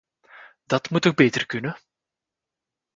Dat moet toch beter kunnen.